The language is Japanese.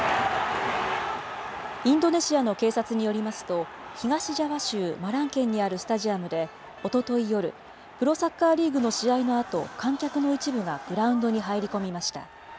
インドネシアの警察によりますと、東ジャワ州マラン県にあるスタジアムでおととい夜、プロサッカーリーグの試合のあと、観客の一部がグラウンドに入り込みました。